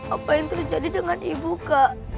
apa yang terjadi dengan ibu kak